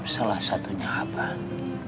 salah satunya abang